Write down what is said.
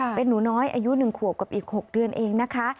เป็นหนูน้อยอายุ๑ขวบกับอีก๖เดือนเองนะคะ